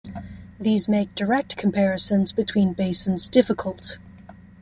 These make direct comparisons between basins difficult.